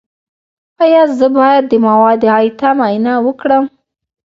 ایا زه باید د مواد غایطه معاینه وکړم؟